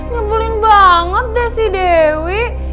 nyebulin banget deh si dewi